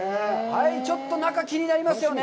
ちょっと中、気になりますよね。